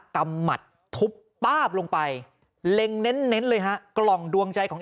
ำหมัดทุบป้าบลงไปเล็งเน้นเลยฮะกล่องดวงใจของ